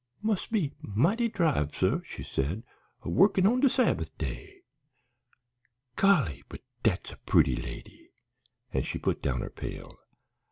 "Mus' be mighty driv, suh," she said, "a workin' on de Sabbath day. Golly, but dat's a purty lady!" and she put down her pail.